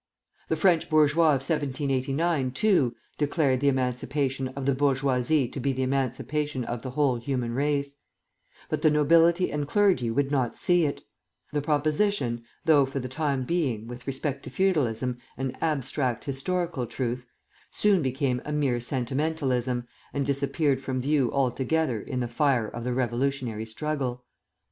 The French bourgeois of 1789, too, declared the emancipation of the bourgeoisie to be the emancipation of the whole human race; but the nobility and clergy would not see it; the proposition though for the time being, with respect to feudalism, an abstract historical truth soon became a mere sentimentalism, and disappeared from view altogether in the fire of the revolutionary struggle.